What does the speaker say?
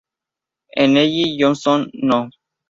El Nellie Johnstone No.